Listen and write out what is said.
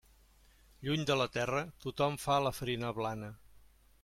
Lluny de la terra tothom fa la farina blana.